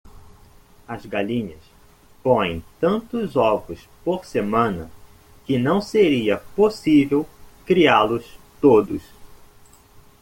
As galinhas põem tantos ovos por semana? que não seria possível criá-los todos.